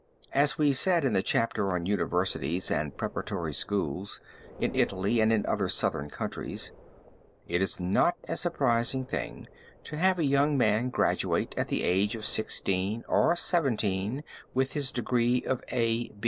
As we said in the chapter on Universities and Preparatory Schools, in Italy and in other southern countries, it is not a surprising thing to have a young man graduate at the age of 16 or 17 with his degree of A.